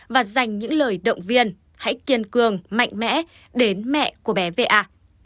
và dành những lời động viên hãy kiên cường mạnh mẽ đến mẹ của bé va